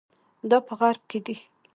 دا په غرب کې دي.